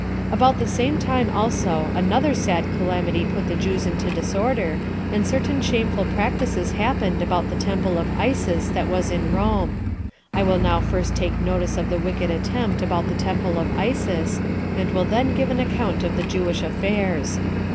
4. About the same time also another sad calamity put the Jews into disorder, and certain shameful practices happened about the temple of Isis that was at Rome. I will now first take notice of the wicked attempt about the temple of Isis, and will then give an account of the Jewish affairs.